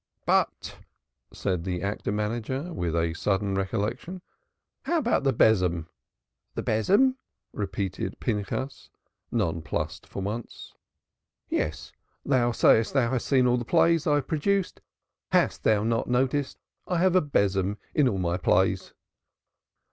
"But," said the actor manager, with a sudden recollection, "how about the besom?" "The besom!" repeated Pinchas, nonplussed for once. "Yes, thou sayest thou hast seen all the plays I have produced. Hast thou not noticed that I have a besom in all my plays?"